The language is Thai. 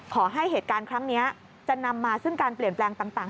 ขอให้เหตุการณ์ครั้งนี้จะนำมาซึ่งการเปลี่ยนแปลงต่าง